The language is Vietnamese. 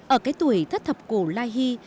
ở cái tuổi thất thập cổ lai hy